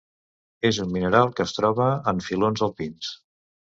És un mineral que es troba en filons alpins.